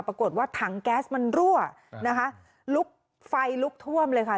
ปรากฏว่าถังแก๊สมันรั่วนะคะลุกไฟลุกท่วมเลยค่ะ